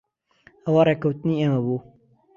ئەوە ڕێککەوتنی ئێمە بوو.